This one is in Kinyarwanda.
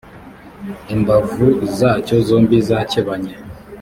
imbavu zacyo zombi zakebanye